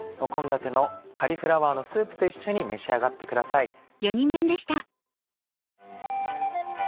献立の「カリフラワーのスープ」と一緒に召し上がってください。